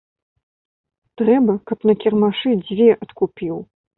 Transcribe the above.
Трэба, каб на кірмашы дзве адкупіў.